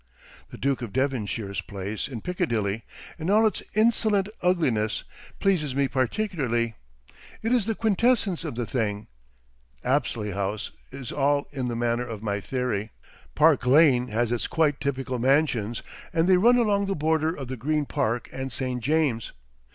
The Duke of Devonshire's place in Piccadilly, in all its insolent ugliness, pleases me particularly; it is the quintessence of the thing; Apsley House is all in the manner of my theory, Park Lane has its quite typical mansions, and they run along the border of the Green Park and St. James's.